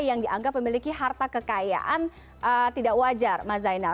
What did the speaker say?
yang dianggap memiliki harta kekayaan tidak wajar mas zainal